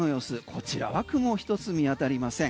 こちらは雲一つ見当たりません。